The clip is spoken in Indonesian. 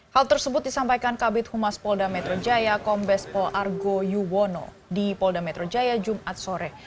hal tersebut disampaikan kabit humas polda metro jaya kombes pol argo yuwono di polda metro jaya jumat sore